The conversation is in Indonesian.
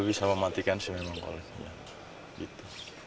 bisa mematikan sih memang kalau itu